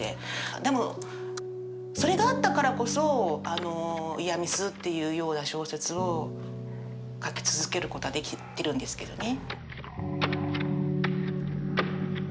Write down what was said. でもそれがあったからこそイヤミスっていうような小説を書き続けることができてるんですけどね。